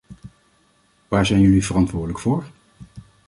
Waar zijn jullie verantwoordelijk voor?